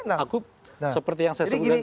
aku seperti yang saya sebutkan